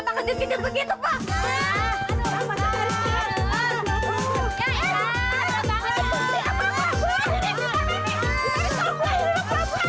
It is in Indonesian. nah ada orang masuk ke sini